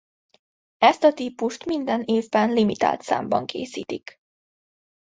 Ezt a típust minden évben limitált számban készítik.